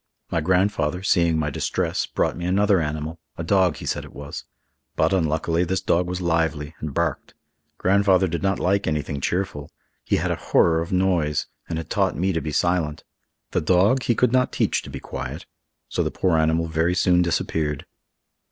My grandfather, seeing my distress, brought me another animal—a dog he said it was. But, unluckily, this dog was lively, and barked. Grandfather did not like anything cheerful. He had a horror of noise, and had taught me to be silent; the dog he could not teach to be quiet, so the poor animal very soon disappeared.